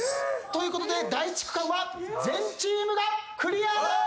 ということで第１区間は全チームがクリアです！